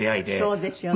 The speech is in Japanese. そうですよね。